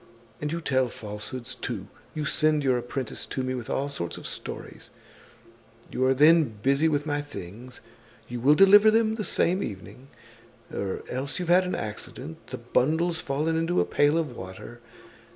"And you tell falsehoods too; you send your apprentice to me with all sorts of stories; you are then busy with my things, you will deliver them the same evening, or else you've had an accident, the bundle's fallen into a pail of water.